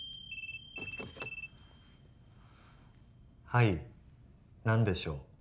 はい何でしょう？